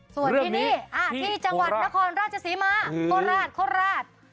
ส่วนที่นี้ที่จังหวัดนครราชสีมะอ้อนราช